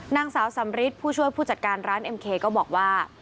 นางสาวสำริทผู้ช่วยผู้จัดการร้านเอ็มเคก็บอกว่า